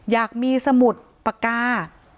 อยากมีสมุดปากกา